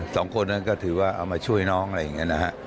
สองคนนั้นก็ถือว่าเอามาช่วยน้องอะไรอย่างนี้นะฮะ